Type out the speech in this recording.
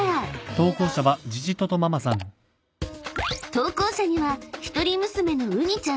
［投稿者には一人娘のウニちゃん